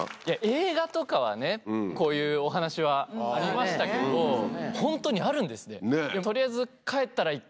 映画とかはねこういうお話はありましたけれどホントにあるんですね。